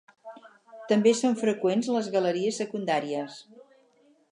També són freqüents les galeries secundàries.